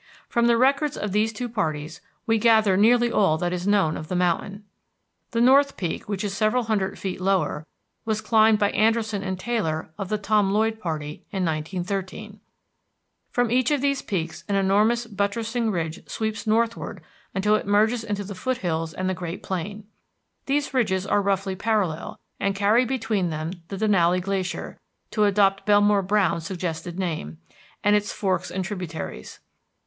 From the records of these two parties we gather nearly all that is known of the mountain. The North Peak, which is several hundred feet lower, was climbed by Anderson and Taylor of the Tom Lloyd party, in 1913. From each of these peaks an enormous buttressing ridge sweeps northward until it merges into the foothills and the great plain. These ridges are roughly parallel, and carry between them the Denali Glacier, to adopt Belmore Browne's suggested name, and its forks and tributaries.